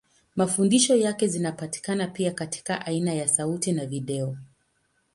Mafundisho yake zinapatikana pia katika aina ya sauti na video.